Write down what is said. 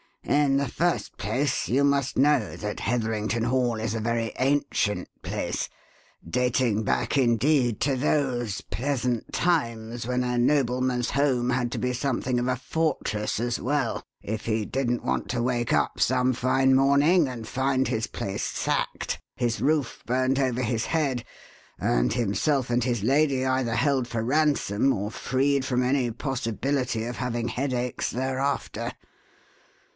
In the first place, you must know that Heatherington Hall is a very ancient place, dating back, indeed, to those pleasant times when a nobleman's home had to be something of a fortress as well, if he didn't want to wake up some fine morning and find his place 'sacked,' his roof burnt over his head, and himself and his lady either held for ransom or freed from any possibility of having 'headaches' thereafter.